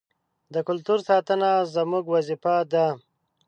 د کلتور ساتنه زموږ وظیفه ده.